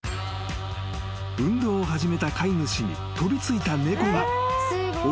［運動を始めた飼い主に飛び付いた］